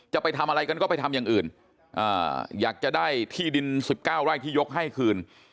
จะไปทำอะไรกันก็ไปทำยังอื่นอ่าอยากจะได้ที่ดินสิบเก้าร่ายที่ยกให้คืน